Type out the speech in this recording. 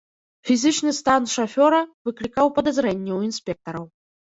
Фізічны стан шафёра выклікаў падазрэнні ў інспектараў.